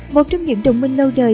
một trong những đồng minh lâu đời